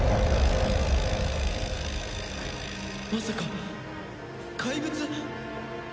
まさか怪物！